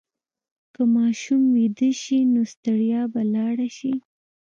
که ماشوم ویده شي، نو ستړیا به لاړه شي.